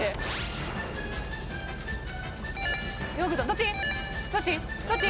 どっち？